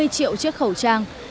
triệu chiếc khẩu trang